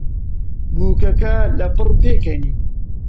بووکەکە لەپڕ پێکەنی.